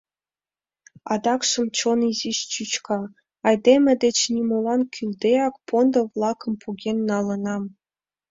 Адакшым чон изиш чӱчка: айдеме деч нимолан кӱлдеак пондо-влакым поген налынам.